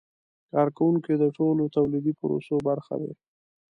کارکوونکي د ټولو تولیدي پروسو برخه دي.